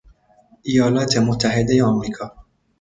ایالات متحده آمریکا